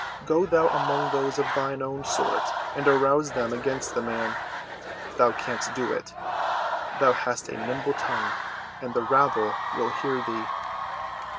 Go thou among those of thine own sort and arouse them against the man. Thou canst do it. Thou hast a nimble tongue, and the rabble will hear thee."